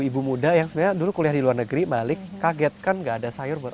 ibu muda yang sebenarnya dulu kuliah di luar negeri balik kaget kan gak ada sayur buat